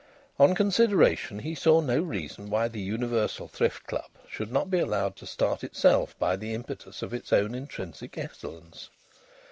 On consideration he saw no reason why the Universal Thrift Club should not be allowed to start itself by the impetus of its own intrinsic excellence.